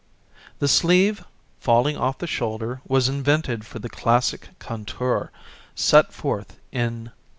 62] The sleeve falling off the shoulder was invented for the classic contour, set forth in No.